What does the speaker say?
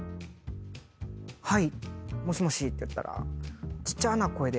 はいもしもしってやったらちっちゃな声で。